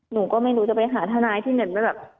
หนูก็ไม่รู้จะไปหาทนายที่เหมือนแบบ